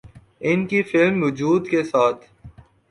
ان کی فلم ’وجود‘ کے ساتھ